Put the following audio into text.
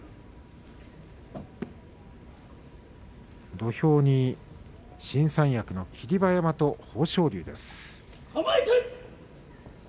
土俵に新三役の霧馬山と豊昇龍です。